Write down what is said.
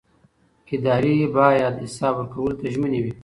ادارې باید حساب ورکولو ته ژمنې وي